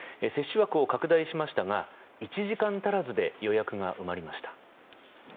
接種枠を拡大しましたが１時間足らずで予約が埋まりました。